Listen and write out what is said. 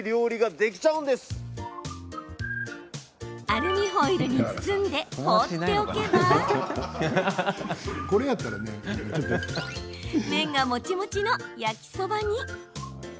アルミホイルに包んで放っておけば麺がモチモチの焼きそばに。